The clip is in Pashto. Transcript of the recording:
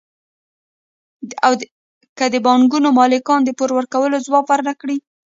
که د بانکونو مالکان د پور ورکوونکو ځواب ورنکړي